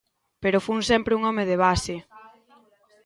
Pero fun sempre un home de base.